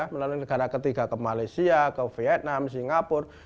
melalui negara ketiga ke malaysia ke vietnam singapura